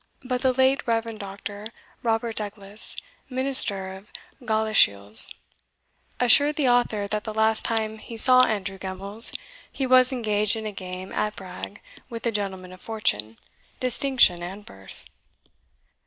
But the late Reverend Doctor Robert Douglas, minister of Galashiels, assured the author, that the last time he saw Andrew Gemmells, he was engaged in a game at brag with a gentleman of fortune, distinction, and birth.